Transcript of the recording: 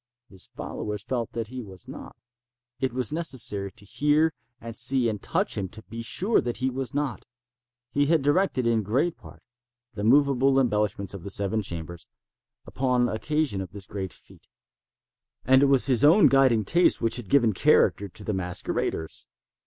His followers felt that he was not. It was necessary to hear and see and touch him to be sure that he was not. He had directed, in great part, the moveable embellishments of the seven chambers, upon occasion of this great fête; and it was his own guiding taste which had given character to the masqueraders.